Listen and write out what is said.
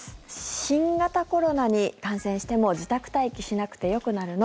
新型コロナに感染しても自宅待機しなくてよくなるの？